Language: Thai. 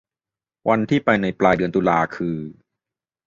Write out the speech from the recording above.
วันที่ไปในปลายเดือนตุลาคือ